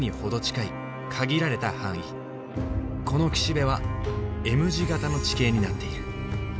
この岸辺はＭ字形の地形になっている。